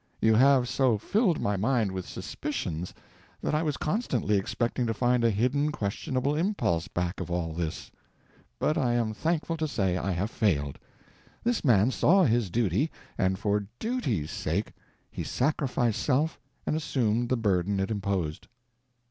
You have so filled my mind with suspicions that I was constantly expecting to find a hidden questionable impulse back of all this, but I am thankful to say I have failed. This man saw his duty, and for duty's sake he sacrificed self and assumed the burden it imposed.